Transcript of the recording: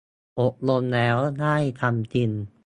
อบรมแล้วได้ทำจริง